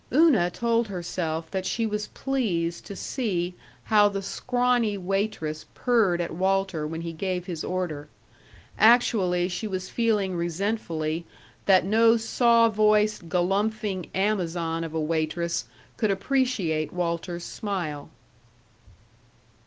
Una told herself that she was pleased to see how the scrawny waitress purred at Walter when he gave his order. Actually she was feeling resentfully that no saw voiced, galumphing Amazon of a waitress could appreciate Walter's smile.